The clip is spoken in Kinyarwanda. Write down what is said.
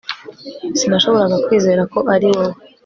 Sinashoboraga kwizera ko ariwowe